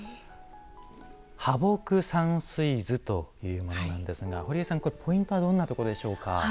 「破墨山水図」というものなんですが堀江さんこれポイントはどんなところでしょうか？